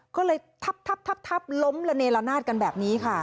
ก็เลยทับล้มละเนละนาดกันแบบนี้ค่ะ